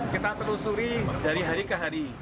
kita telusuri dari hari ke hari